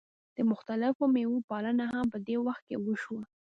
د مختلفو میوو پالنه هم په دې وخت کې وشوه.